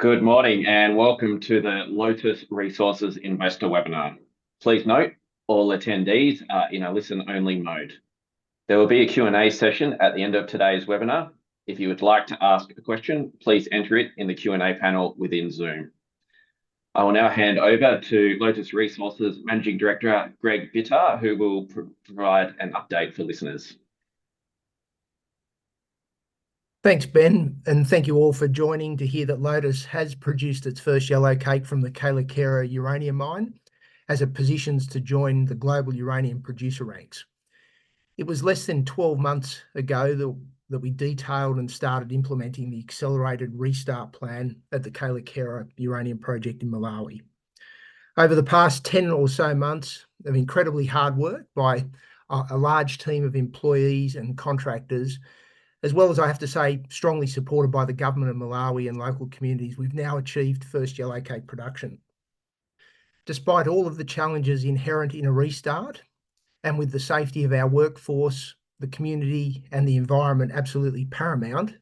Good morning and welcome to the Lotus Resources Investor Webinar. Please note all attendees are in a listen-only mode. There will be a Q&A session at the end of today's webinar. If you would like to ask a question, please enter it in the Q&A panel within Zoom. I will now hand over to Lotus Resources Managing Director Greg Bittar, who will provide an update for listeners. Thanks, Ben, and thank you all for joining to hear that Lotus has produced its first yellowcake from the Kayelekera uranium mine as it positions to join the global uranium producer ranks. It was less than 12 months ago that we detailed and started implementing the accelerated restart plan at the Kayelekera uranium project in Malawi. Over the past 10 or so months of incredibly hard work by a large team of employees and contractors, as well as, I have to say, strongly supported by the government of Malawi and local communities, we've now achieved the first yellowcake production. Despite all of the challenges inherent in a restart, and with the safety of our workforce, the community, and the environment absolutely paramount,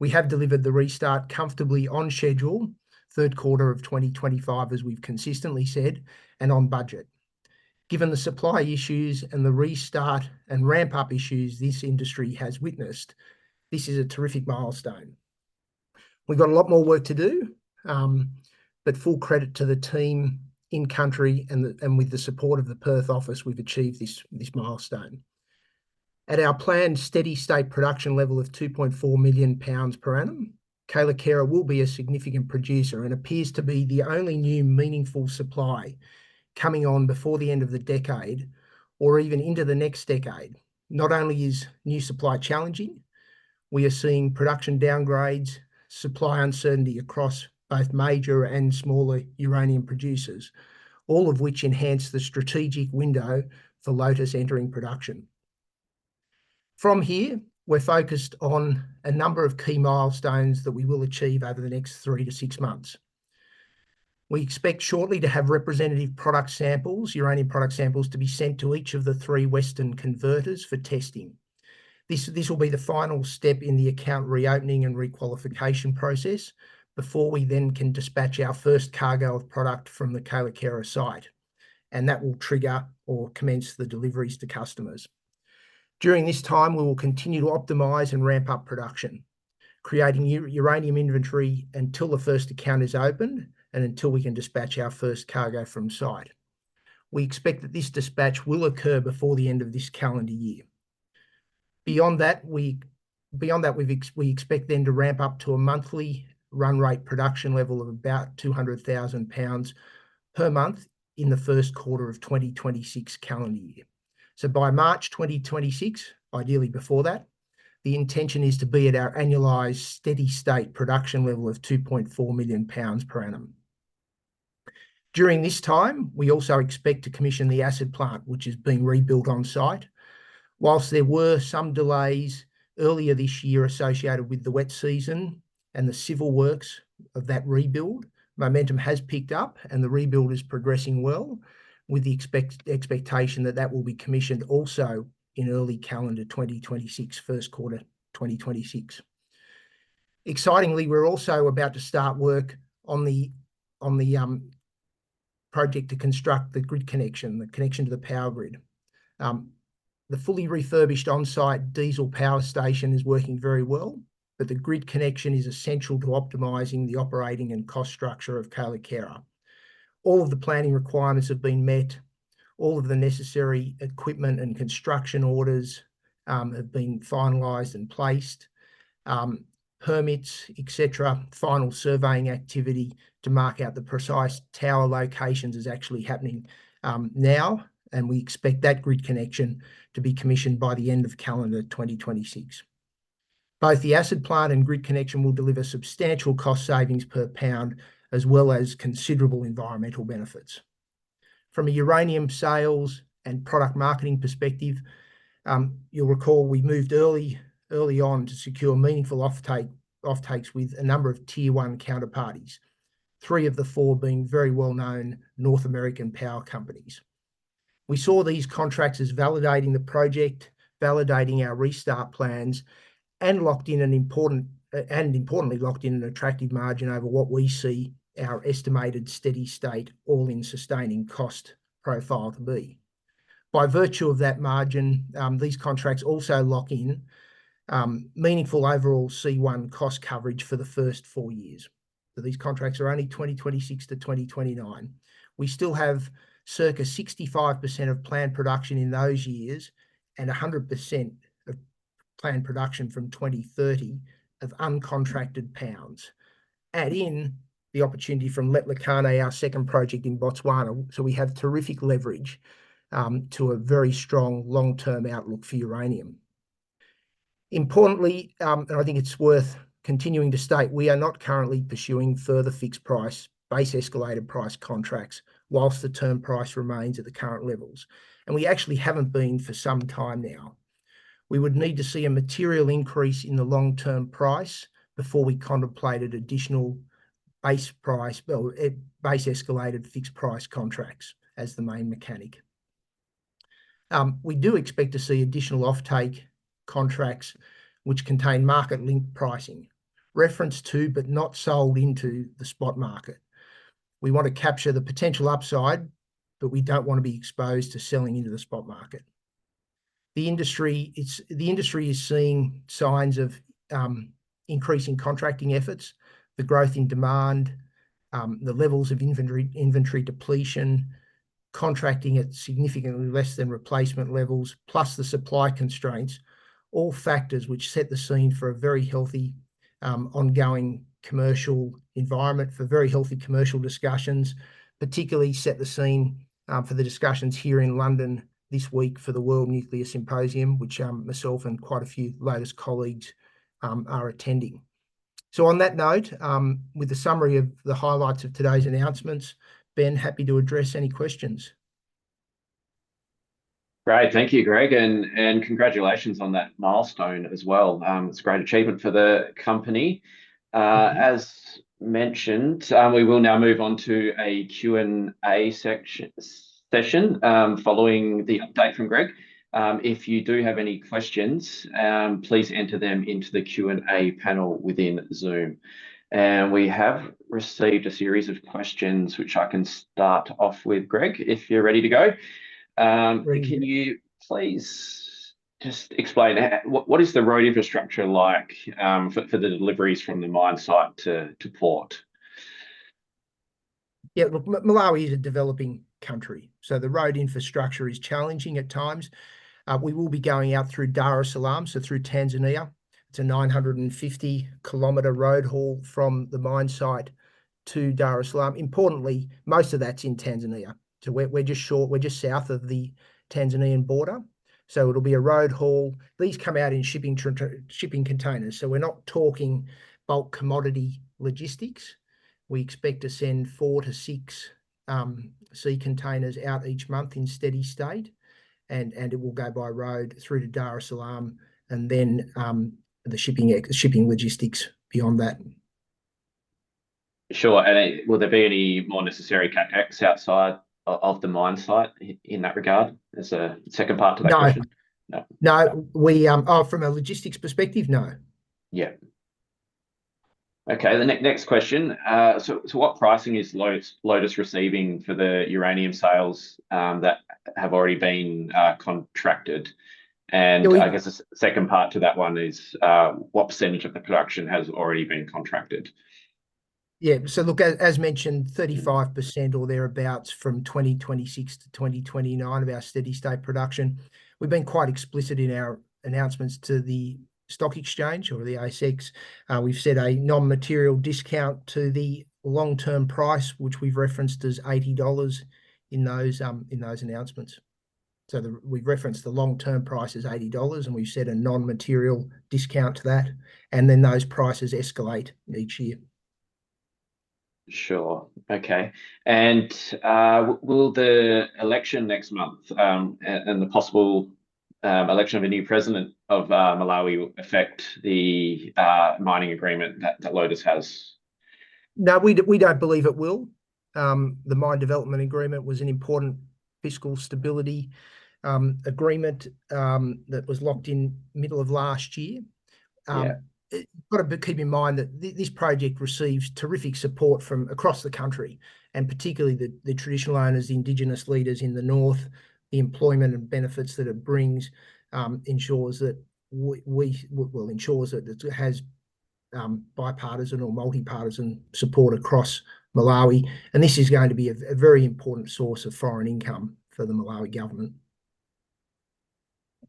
we have delivered the restart comfortably on schedule, third quarter of 2025, as we've consistently said, and on budget. Given the supply issues and the restart and ramp-up issues this industry has witnessed, this is a terrific milestone. We've got a lot more work to do, but full credit to the team in country and with the support of the Perth office, we've achieved this milestone. At our planned steady-state production level of 2.4 million pounds per annum, Kayelekera will be a significant producer and appears to be the only new meaningful supply coming on before the end of the decade or even into the next decade. Not only is new supply challenging, we are seeing production downgrades, supply uncertainty across both major and smaller uranium producers, all of which enhance the strategic window for Lotus entering production. From here, we're focused on a number of key milestones that we will achieve over the next three-to-six months. We expect shortly to have representative product samples, uranium product samples, to be sent to each of the three Western converters for testing. This will be the final step in the account reopening and requalification process before we then can dispatch our first cargo of product from the Kayelekera site, and that will trigger or commence the deliveries to customers. During this time, we will continue to optimize and ramp up production, creating uranium inventory until the first account is opened and until we can dispatch our first cargo from site. We expect that this dispatch will occur before the end of this calendar year. Beyond that, we expect then to ramp up to a monthly run rate production level of about $200,000 per month in the first quarter of 2026 calendar year. By March 2026, ideally before that, the intention is to be at our annualized steady-state production level of 2.4 million pounds per annum. During this time, we also expect to commission the acid plant, which is being rebuilt on site. While there were some delays earlier this year associated with the wet season and the civil works of that rebuild, momentum has picked up and the rebuild is progressing well, with the expectation that that will be commissioned also in early calendar 2026, first quarter 2026. Excitingly, we're also about to start work on the project to construct the grid connection, the connection to the power grid. The fully refurbished on-site diesel power station is working very well, but the grid connection is essential to optimizing the operating and cost structure of Kayelekera. All of the planning requirements have been met. All of the necessary equipment and construction orders have been finalized and placed. Permits, etc., final surveying activity to mark out the precise tower locations is actually happening now, and we expect that grid connection to be commissioned by the end of calendar 2026. Both the acid plant and grid connection will deliver substantial cost savings per pound, as well as considerable environmental benefits. From a uranium sales and product marketing perspective, you'll recall we moved early on to secure meaningful offtakes with a number of tier one counterparties, three of the four being very well-known North American power companies. We saw these contractors validating the project, validating our restart plans, and importantly locked in an attractive margin over what we see our estimated steady-state all-in sustaining cost profile to be. By virtue of that margin, these contracts also lock in meaningful overall C1 cost coverage for the first four years, so these contracts are only 2026 to 2029. We still have circa 65% of planned production in those years and 100% of planned production from 2030 of uncontracted pounds, add in the opportunity from Letlhakane, our second project in Botswana, so we have terrific leverage to a very strong long-term outlook for uranium. Importantly, and I think it's worth continuing to state, we are not currently pursuing further fixed price, base escalated price contracts while the term price remains at the current levels, and we actually haven't been for some time now. We would need to see a material increase in the long-term price before we contemplated additional base price, base escalated fixed price contracts as the main mechanic. We do expect to see additional offtake contracts which contain market-linked pricing, reference to, but not sold into the spot market. We want to capture the potential upside, but we don't want to be exposed to selling into the spot market. The industry is seeing signs of increasing contracting efforts, the growth in demand, the levels of inventory depletion, contracting at significantly less than replacement levels, plus the supply constraints, all factors which set the scene for a very healthy ongoing commercial environment for very healthy commercial discussions, particularly set the scene for the discussions here in London this week for the World Nuclear Symposium, which myself and quite a few Lotus colleagues are attending. So on that note, with the summary of the highlights of today's announcements, Ben, happy to address any questions. Great. Thank you, Greg, and congratulations on that milestone as well. It's a great achievement for the company. As mentioned, we will now move on to a Q&A session following the update from Greg. If you do have any questions, please enter them into the Q&A panel within Zoom. And we have received a series of questions, which I can start off with, Greg, if you're ready to go. Can you please just explain what is the road infrastructure like for the deliveries from the mine site to port? Yeah, Malawi is a developing country, so the road infrastructure is challenging at times. We will be going out through Dar es Salaam, so through Tanzania. It's a 950-kilometer road haul from the mine site to Dar es Salaam. Importantly, most of that's in Tanzania. So we're just south of the Tanzanian border. So it'll be a road haul. These come out in shipping containers. So we're not talking bulk commodity logistics. We expect to send four to six sea containers out each month in steady state, and it will go by road through to Dar es Salaam and then the shipping logistics beyond that. Sure. And will there be any more necessary catch-ups outside of the mine site in that regard as a second part to that question? No. No. From a logistics perspective, no. Yeah. Okay. The next question. So what pricing is Lotus receiving for the uranium sales that have already been contracted? And I guess the second part to that one is what percentage of the production has already been contracted? Yeah. So look, as mentioned, 35% or thereabouts from 2026 to 2029 of our steady-state production. We've been quite explicit in our announcements to the stock exchange or the ASX. We've said a non-material discount to the long-term price, which we've referenced as $80 in those announcements. So we've referenced the long-term price as $80, and we've said a non-material discount to that, and then those prices escalate each year. Sure. Okay. And will the election next month and the possible election of a new president of Malawi affect the mining agreement that Lotus has? No, we don't believe it will. The mine development agreement was an important fiscal stability agreement that was locked in middle of last year. You've got to keep in mind that this project receives terrific support from across the country, and particularly the traditional owners, indigenous leaders in the north. The employment and benefits that it brings ensures that we will ensure that it has bipartisan or multipartisan support across Malawi, and this is going to be a very important source of foreign income for the Malawi government.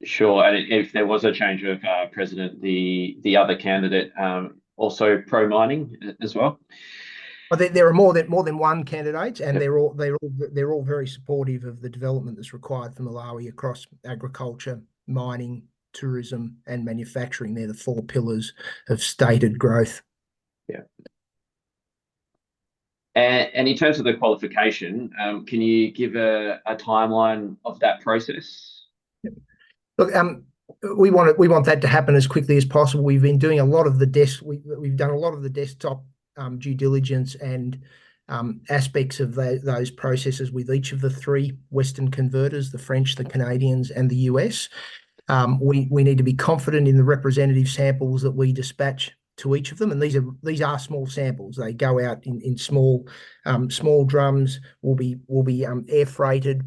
Sure. And if there was a change of president, the other candidate also pro-mining as well? There are more than one candidates, and they're all very supportive of the development that's required for Malawi across agriculture, mining, tourism, and manufacturing. They're the four pillars of stated growth. Yeah. And in terms of the qualification, can you give a timeline of that process? Look, we want that to happen as quickly as possible. We've done a lot of the desktop due diligence and aspects of those processes with each of the three Western converters, the French, the Canadians, and the US. We need to be confident in the representative samples that we dispatch to each of them. These are small samples. They go out in small drums, will be air freighted,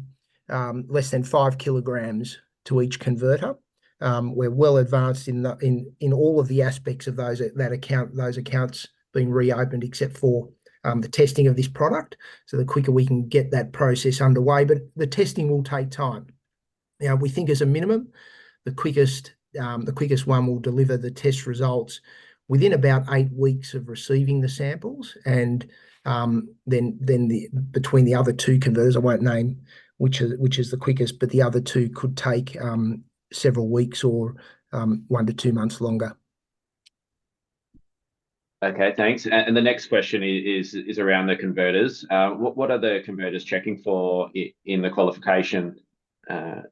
less than five kilograms to each converter. We're well advanced in all of the aspects of those accounts being reopened, except for the testing of this product. The quicker we can get that process underway, but the testing will take time. Now, we think as a minimum, the quickest one will deliver the test results within about eight weeks of receiving the samples. Then between the other two converters, I won't name which is the quickest, but the other two could take several weeks or one to two months longer. Okay. Thanks. And the next question is around the converters. What are the converters checking for in the qualification during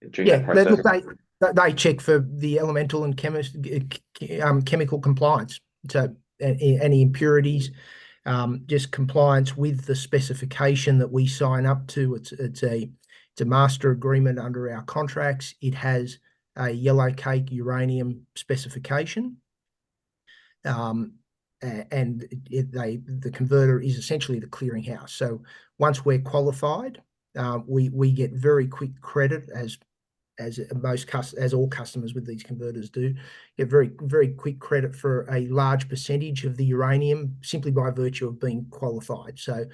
the process? Yeah. They check for the elemental and chemical compliance, so any impurities, just compliance with the specification that we sign up to. It's a master agreement under our contracts. It has a yellowcake uranium specification. And the converter is essentially the clearing house. So once we're qualified, we get very quick credit, as all customers with these converters do, get very quick credit for a large percentage of the uranium simply by virtue of being qualified. So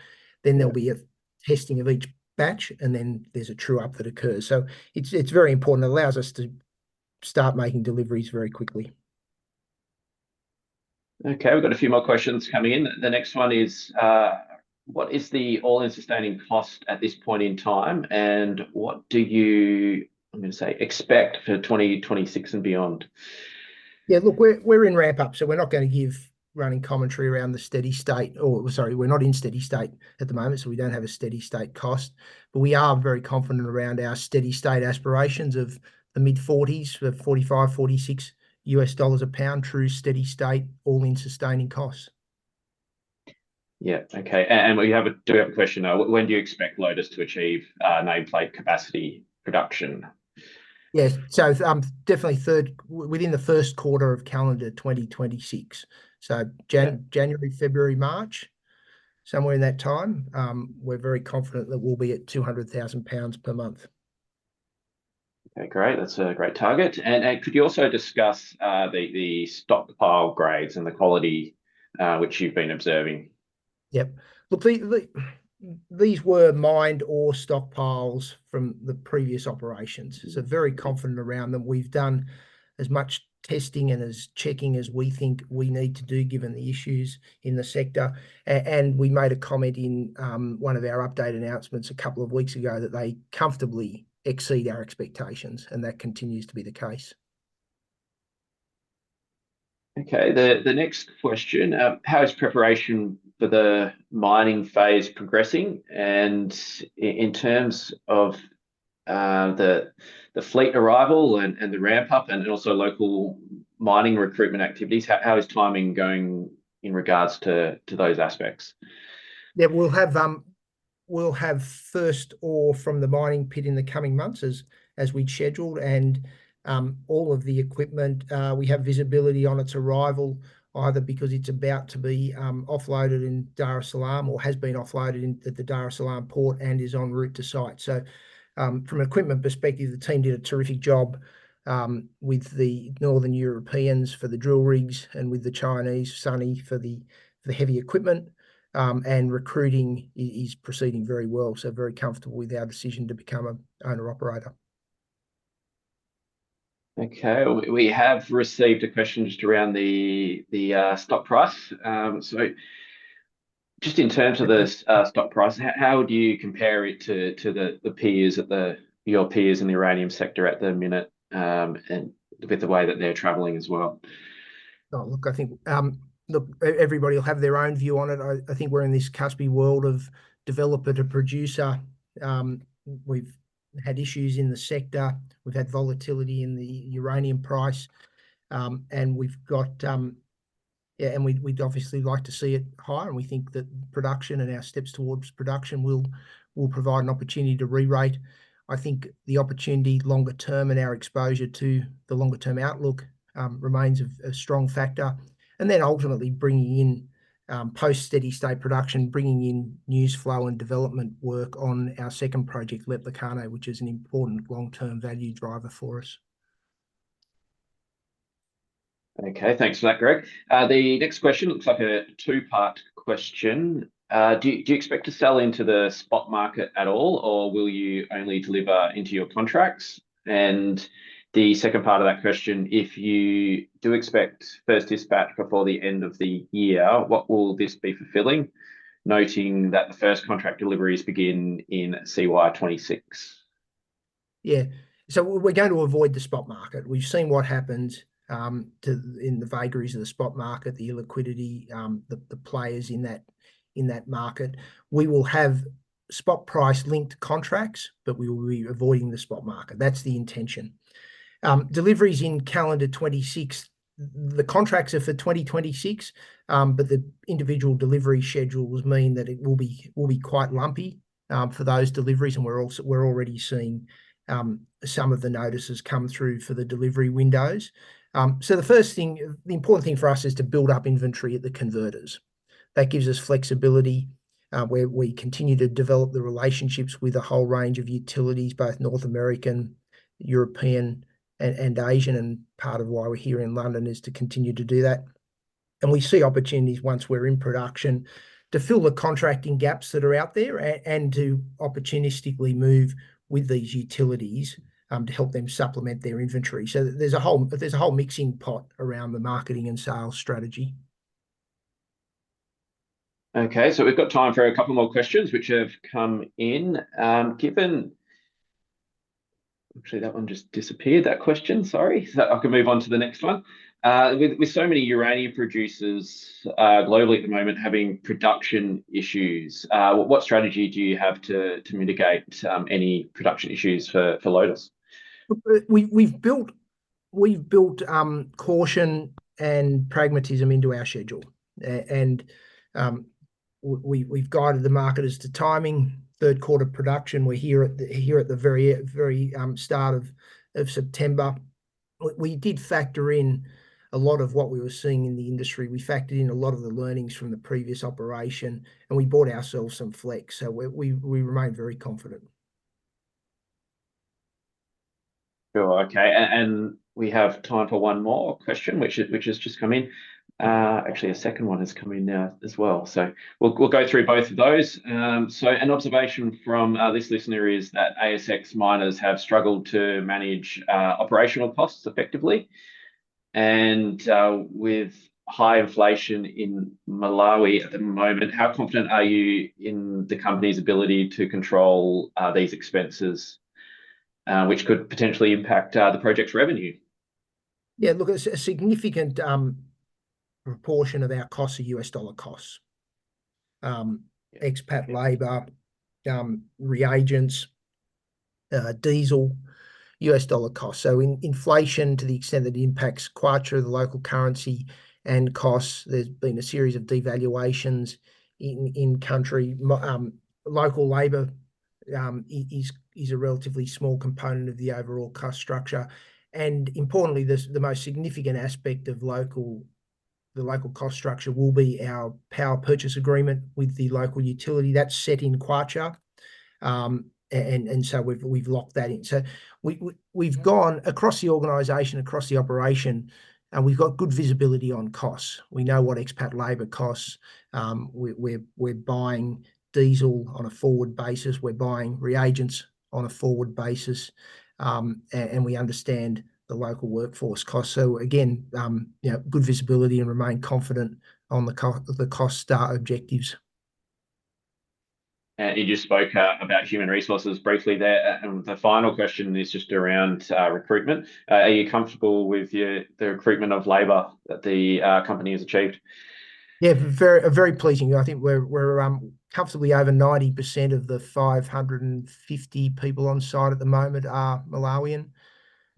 then there'll be a testing of each batch, and then there's a true-up that occurs. So it's very important. It allows us to start making deliveries very quickly. Okay. We've got a few more questions coming in. The next one is, what is the all-in sustaining cost at this point in time, and what do you, I'm going to say, expect for 2026 and beyond? Yeah. Look, we're in ramp-up, so we're not going to give running commentary around the steady state or sorry, we're not in steady state at the moment, so we don't have a steady state cost. But we are very confident around our steady state aspirations of the mid-40s, $45-$46 a pound through steady state, all-in sustaining costs. Yeah. Okay. And do we have a question now? When do you expect Lotus to achieve nameplate capacity production? Yeah. So, definitely within the first quarter of calendar 2026. So, January, February, March, somewhere in that time, we're very confident that we'll be at 200,000 lbs per month. Okay. Great. That's a great target. And could you also discuss the stockpile grades and the quality which you've been observing? Yep. Look, these were mined ore stockpiles from the previous operations, so very confident around them. We've done as much testing and as checking as we think we need to do given the issues in the sector, and we made a comment in one of our update announcements a couple of weeks ago that they comfortably exceed our expectations, and that continues to be the case. Okay. The next question, how is preparation for the mining phase progressing? And in terms of the fleet arrival and the ramp-up and also local mining recruitment activities, how is timing going in regards to those aspects? Yeah. We'll have first ore from the mining pit in the coming months as we'd scheduled. And all of the equipment, we have visibility on its arrival, either because it's about to be offloaded in Dar es Salaam or has been offloaded at the Dar es Salaam port and is en route to site. So from an equipment perspective, the team did a terrific job with the Northern Europeans for the drill rigs and with the Chinese, SANY, for the heavy equipment. And recruiting is proceeding very well. So very comfortable with our decision to become an owner-operator. Okay. We have received a question just around the stock price. So just in terms of the stock price, how would you compare it to your peers in the uranium sector at the minute and with the way that they're traveling as well? Oh, look, I think everybody will have their own view on it. I think we're in this cozy world of developer to producer. We've had issues in the sector. We've had volatility in the uranium price. And we've got, yeah, and we'd obviously like to see it higher. And we think that production and our steps towards production will provide an opportunity to re-rate. I think the opportunity longer term and our exposure to the longer-term outlook remains a strong factor. And then ultimately bringing in post-steady-state production, bringing in news flow and development work on our second project, Letlhakane, which is an important long-term value driver for us. Okay. Thanks for that, Greg. The next question looks like a two-part question. Do you expect to sell into the spot market at all, or will you only deliver into your contracts? And the second part of that question, if you do expect first dispatch before the end of the year, what will this be fulfilling, noting that the first contract deliveries begin in CY26? Yeah. So we're going to avoid the spot market. We've seen what happens in the vagaries of the spot market, the illiquidity, the players in that market. We will have spot price-linked contracts, but we will be avoiding the spot market. That's the intention. Deliveries in calendar 2026, the contracts are for 2026, but the individual delivery schedules mean that it will be quite lumpy for those deliveries. And we're already seeing some of the notices come through for the delivery windows. So the first thing, the important thing for us is to build up inventory at the converters. That gives us flexibility where we continue to develop the relationships with a whole range of utilities, both North American, European, and Asian. And part of why we're here in London is to continue to do that. And we see opportunities once we're in production to fill the contracting gaps that are out there and to opportunistically move with these utilities to help them supplement their inventory. So there's a whole mixing pot around the marketing and sales strategy. Okay. So we've got time for a couple more questions, which have come in. Actually, that one just disappeared, that question. Sorry. I can move on to the next one. With so many uranium producers globally at the moment having production issues, what strategy do you have to mitigate any production issues for Lotus? We've built caution and pragmatism into our schedule, and we've guided the market as to timing third quarter production. We're here at the very start of September. We did factor in a lot of what we were seeing in the industry. We factored in a lot of the learnings from the previous operation, and we bought ourselves some flex, so we remained very confident. Sure. Okay. We have time for one more question, which has just come in. Actually, a second one has come in now as well. We'll go through both of those. An observation from this listener is that ASX miners have struggled to manage operational costs effectively. With high inflation in Malawi at the moment, how confident are you in the company's ability to control these expenses, which could potentially impact the project's revenue? Yeah. Look, a significant proportion of our costs are U.S. dollar costs: expat labor, reagents, diesel, U.S. dollar costs. So inflation to the extent that it impacts Kwacha, the local currency, and costs, there's been a series of devaluations in country. Local labor is a relatively small component of the overall cost structure, and importantly, the most significant aspect of the local cost structure will be our power purchase agreement with the local utility that's set in Quattro, and so we've locked that in, so we've gone across the organization, across the operation, and we've got good visibility on costs. We know what expat labor costs. We're buying diesel on a forward basis. We're buying reagents on a forward basis. And we understand the local workforce costs. So again, good visibility and remain confident on the cost target objectives. You just spoke about human resources briefly there. And the final question is just around recruitment. Are you comfortable with the recruitment of labor that the company has achieved? Yeah. Very pleasing. I think we're comfortably over 90% of the 550 people on site at the moment are Malawian.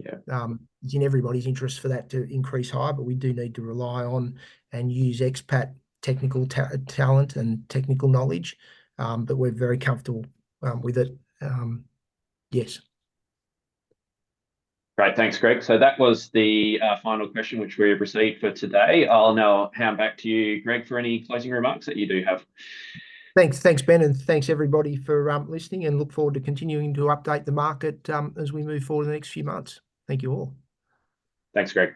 It's in everybody's interest for that to increase higher, but we do need to rely on and use expat technical talent and technical knowledge. But we're very comfortable with it. Yes. Great. Thanks, Greg. So that was the final question, which we have received for today. I'll now hand back to you, Greg, for any closing remarks that you do have. Thanks. Thanks, Ben. And thanks, everybody, for listening, and look forward to continuing to update the market as we move forward in the next few months. Thank you all. Thanks, Greg.